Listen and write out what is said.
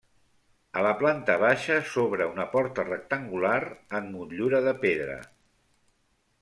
A la planta baixa s'obre una porta rectangular amb motllura de pedra.